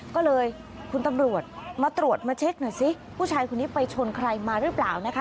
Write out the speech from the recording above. ก็เลยคุณตำรวจมาตรวจมาเช็คหน่อยสิผู้ชายคนนี้ไปชนใครมาหรือเปล่านะคะ